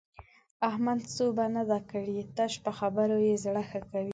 احمد سوبه نه ده کړې؛ تش په خبرو يې زړه ښه کوي.